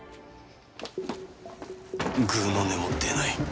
ぐうの音も出ない